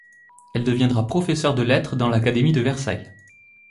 Elle deviendra professeur de lettres dans l'académie de Versailles.